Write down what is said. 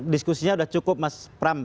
diskusinya sudah cukup mas pram